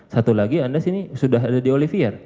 satu lagi anda sini sudah ada di olivier